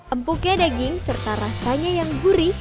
empuknya daging serta rasanya yang gurih